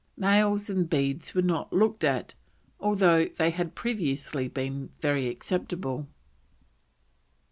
Nails and beads were not looked at, although they had previously been very acceptable.